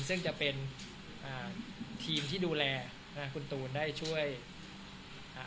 ซึ่งจะเป็นอ่าทีมที่ดูแลอ่าคุณตูนได้ช่วยอ่า